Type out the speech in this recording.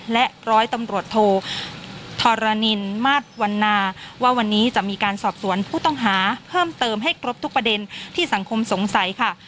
และร้อยตำรวจโทธรณินมาสวันนาว่าวันนี้จะมีการสอบสวนผู้ต้องหาเพิ่มเติมให้ครบทุกประเด็นที่สังคมสงสัยค่ะ